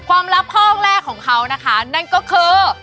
ความลับข้อแรกของเขานั่นก็คือ